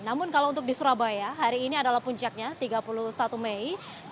namun kalau untuk di surabaya hari ini adalah puncaknya tiga puluh satu mei